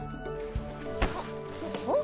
あっ。